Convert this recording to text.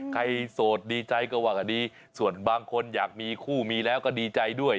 โสดดีใจก็ว่ากันดีส่วนบางคนอยากมีคู่มีแล้วก็ดีใจด้วย